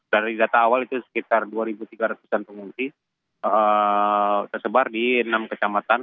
dari data awal itu sekitar dua tiga ratus an pengungsi tersebar di enam kecamatan